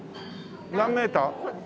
何メーター？